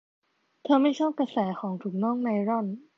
เธอไม่ชอบกระแสของถุงน่องไนลอน